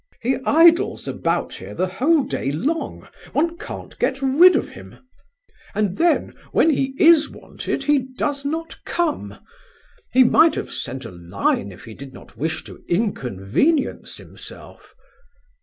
"He idles about here the whole day long, one can't get rid of him; and then when he is wanted he does not come. He might have sent a line if he did not wish to inconvenience himself."